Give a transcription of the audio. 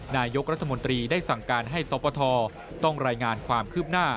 นายกรัฐมนตรีได้สั่งการให้สปทต้องรายงานความคืบหน้า